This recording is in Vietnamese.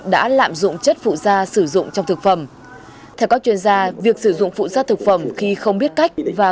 đã lạm dụng chất cấm sodium nitrate